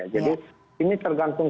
jadi ini tergantung